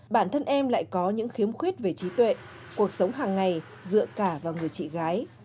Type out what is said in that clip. bản thân em lại có những khiếm khuyết về trí tuệ cuộc sống hàng ngày dựa cả vào người chị gái